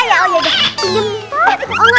dikiranya aku itu pintunya itu apaan ya